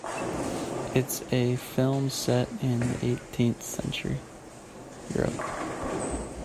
It's a film set in eighteenth century Europe.